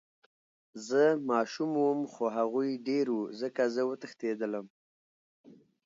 زه ماشوم وم خو هغوي ډير وو ځکه زه وتښتېدم.